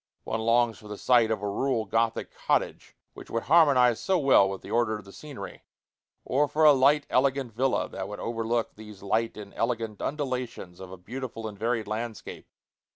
One longs for the sight of a rural Gothic cottage, which would harmonize so well with the order of the scenery, or for a light, elegant villa that should overlook these light and elegant undulations of a beautiful and varied landscape.